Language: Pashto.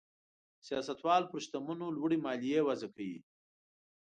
سیاستوال پر شتمنو لوړې مالیې وضع کوي.